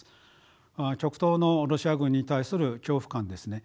極東のロシア軍に対する恐怖感ですね。